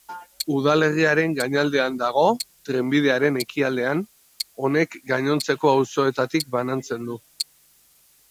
Udalerriaren gainaldean dago, trenbidearen ekialdean, honek gainontzeko auzoetatik banatzen du.